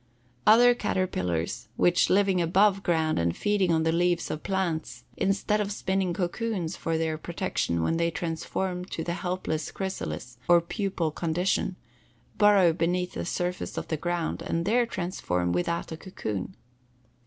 Other caterpillars, while living above ground and feeding on the leaves of plants, instead of spinning cocoons for their protection when they transform to the helpless chrysalis or pupal condition, burrow beneath the surface of the ground and there transform without a cocoon.